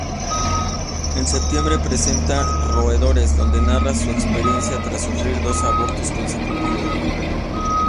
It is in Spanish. En septiembre presenta "Roedores", donde narra su experiencia tras sufrir dos abortos consecutivos.